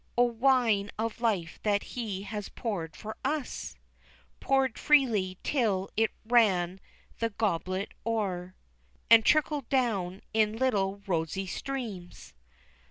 O wine of life that he has poured for us! Poured freely till it ran the goblet o'er, And trickled down in little rosy streams!